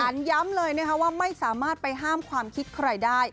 ย้ำเลยนะคะว่าไม่สามารถไปห้ามความคิดใครได้